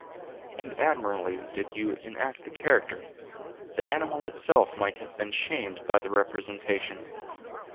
"And admirably did you enact the character; the animal itself might have been shamed by the representation."